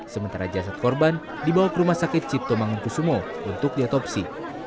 sementara jasad korban dibawa ke rumah sakit cipto mangun kusumo untuk diatopsi